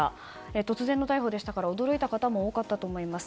突然の逮捕でしたから驚いた方も多かったと思います。